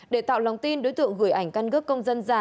để tạo lòng tin đối tượng gửi ảnh căn cước công dân giả